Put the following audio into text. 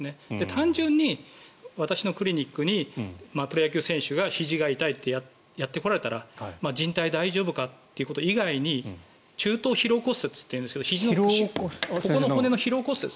単純に私のクリニックにプロ野球選手がひじが痛いってやってこられたらじん帯大丈夫かってこと以外に肘頭疲労骨折というんですがひじの、ここの骨の疲労骨折。